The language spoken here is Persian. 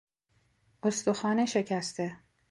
استخوان شکسته